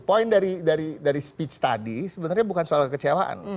poin dari speech tadi sebenarnya bukan soal kekecewaan